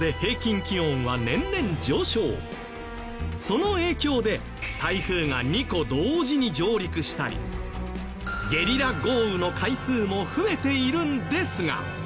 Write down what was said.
その影響で台風が２個同時に上陸したりゲリラ豪雨の回数も増えているんですが。